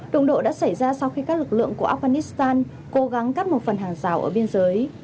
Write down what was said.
đụng độ đã xảy ra sau khi các lực lượng của afghanistan cố gắng cắt một phần hàng rào ở biên giới